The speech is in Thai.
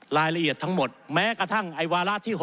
รายละเอียดทั้งหมดแม้กระทั่งไอ้วาระที่๖